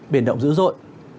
biển động dữ dội